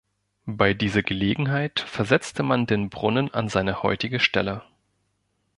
Bei dieser Gelegenheit versetzte man den Brunnen an seine heutige Stelle.